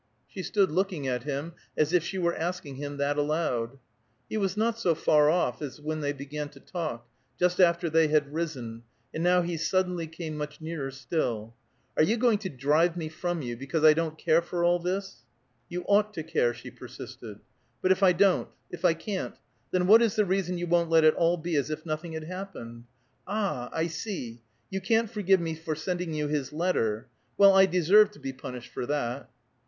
She stood looking at him, as if she were asking him that aloud. He was not so far off as when they began to talk, just after they had risen, and now he suddenly came much nearer still. "Are you going to drive me from you because I don't care for all this?" "You ought to care," she persisted. "But if I don't? If I can't? Then what is the reason you won't let it all be as if nothing had happened? Ah, I see! You can't forgive me for sending you his letter! Well, I deserve to be punished for that!"